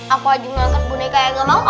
aku aja ngangkat boneka yang enggak mau